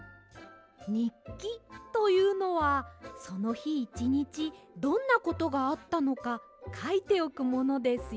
にっきというのはそのひいちにちどんなことがあったのかかいておくものですよ。